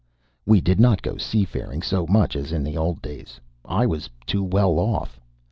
We did not go seafaring so much as in the old days. I was too well off.